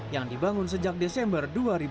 yang dibangun sejak desember dua ribu tujuh belas